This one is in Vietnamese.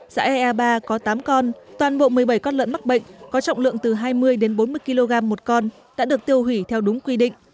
xã ea ba có tám con toàn bộ một mươi bảy con lợn mắc bệnh có trọng lượng từ hai mươi đến bốn mươi kg một con đã được tiêu hủy theo đúng quy định